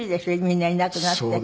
みんないなくなって。